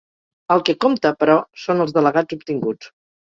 El que compta, però, són els delegats obtinguts.